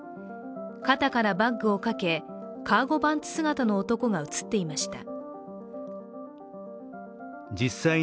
肩からバッグをかけカーゴパンツ姿の男が映っていました。